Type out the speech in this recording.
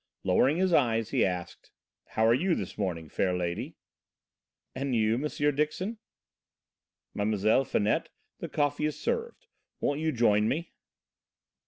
Lowering his eyes he asked: "How are you this morning, fair lady?" "And you, M. Dixon?" "Mlle. Finette, the coffee is served, won't you join me?"